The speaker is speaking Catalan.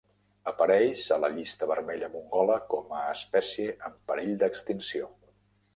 Apareix a la Llista Vermella mongola com a espècie en perill d'extinció.